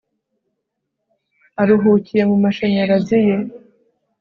aruhukiye mumashanyarazi ye